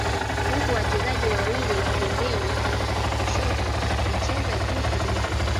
huku wachezaji wawili wa pembeni kulia na kushoto wakicheza juu kidogo